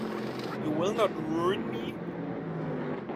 You will not ruin me?